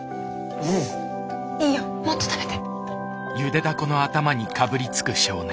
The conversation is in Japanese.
いいよもっと食べて。